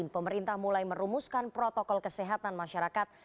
pemerintah mulai merumuskan protokol kesehatan masyarakat